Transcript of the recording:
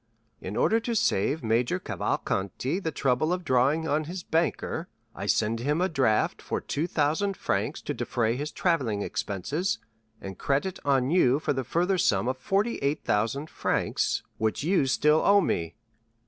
"'In order to save Major Cavalcanti the trouble of drawing on his banker, I send him a draft for 2,000 francs to defray his travelling expenses, and credit on you for the further sum of 48,000 francs, which you still owe me.